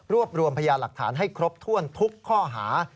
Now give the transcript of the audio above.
รวมรวมพยาหลักฐานให้ครบถ้วนทุกข้อหา